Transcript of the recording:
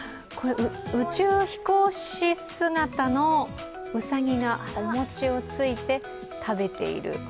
宇宙飛行士姿のウサギがお餅をついて食べている。